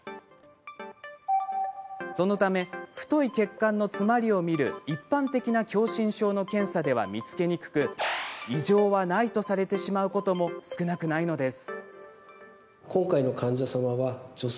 そのため太い血管の詰まりを見る一般的な狭心症の検査では見つけにくく異常はないとされてしまうことも少なくないのです。